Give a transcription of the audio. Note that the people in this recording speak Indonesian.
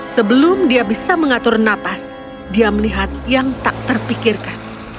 sebelum dia bisa mengatur nafas dia melihat yang tak terpikirkan